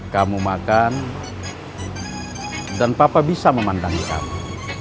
kamu makan dan papa bisa memandangi kamu